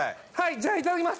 じゃあいただきます。